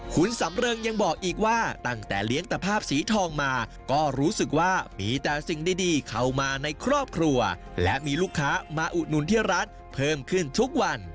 คุณสำเริงยังบอกอีกว่าตั้งแต่เลี้ยงตะภาพสีทองมาก็รู้สึกว่ามีแต่สิ่งดีเข้ามาในครอบครัวและมีลูกค้ามาอุดหนุนที่ร้านเพิ่มขึ้นทุกวัน